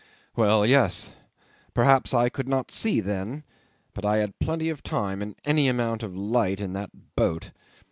"Well, yes! Perhaps I could not see then. But I had plenty of time and any amount of light in that boat.